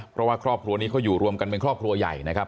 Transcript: เพราะว่าครอบครัวนี้เขาอยู่รวมกันเป็นครอบครัวใหญ่นะครับ